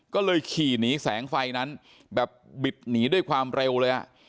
ก็เลยขี่หนีแสงไฟนั้นแบบบิดหนีด้วยความเร็วเลยอ่ะ